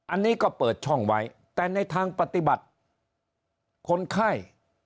อันนี้ก็เปิดช่องไว้แต่ในทางปฏิบัติคนไข้